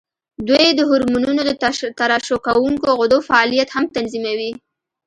دوی د هورمونونو د ترشح کوونکو غدو فعالیت هم تنظیموي.